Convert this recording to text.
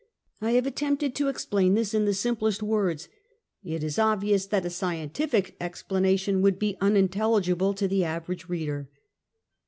I have attempted to explain this in the simplest words. It is obvious that a scientific explanation would be unintelligible to the average reader.